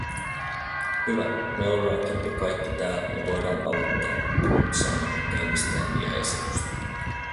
“Hyvä, me ollaanki jo kaikki tääl, ni voidaa alottaa”, Knut sanoi käynnistäen diaesitystä.